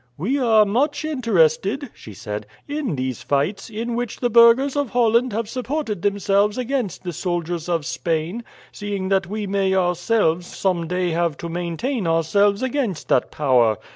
"We are much interested," she said, "in these fights, in which the burghers of Holland have supported themselves against the soldiers of Spain, seeing that we may ourselves some day have to maintain ourselves against that power.